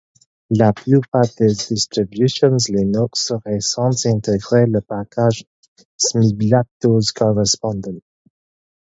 La plupart des distributions Linux récentes intègrent le package smbldap-tools correspondant.